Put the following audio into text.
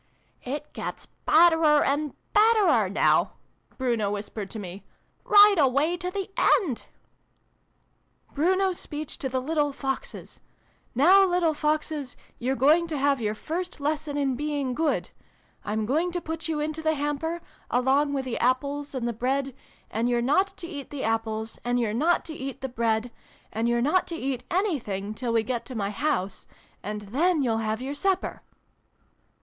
(" It gets betterer and betterer, now," Bruno whispered to me, " right away to the end !")" Bruno's speech to the little Foxes. ' Now, little Foxes, you're going to have your first lesson in being good. I'm going to put you into the hamper, along with the Apples and the Bread : and you're not to eat the Apples : and you're not to eat the Bread : and you're not to eat anything till we get to my house : and then you'll have your supper.'